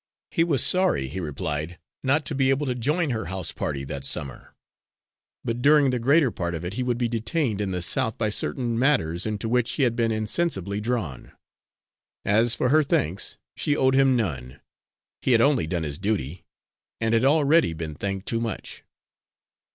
He was sorry, he replied, not to be able to join her house party that summer, but during the greater part of it he would be detained in the South by certain matters into which he had been insensibly drawn. As for her thanks, she owed him none; he had only done his duty, and had already been thanked too much.